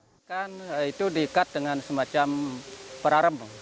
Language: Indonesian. subak itu diikat dengan semacam peraram